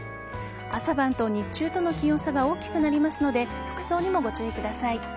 朝晩と日中との気温差が大きくなりますので服装にもご注意ください。